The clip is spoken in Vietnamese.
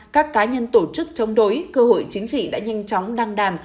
các cá nhân tổ chức chống đối cơ hội chính trị đã nhanh chóng đăng đàn